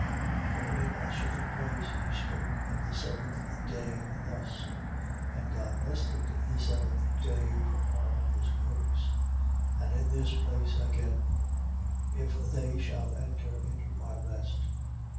4:4. For in a certain place he spoke of the seventh day thus: And God rested the seventh day from all his works. 4:5. And in this place again: If they shall enter into my rest.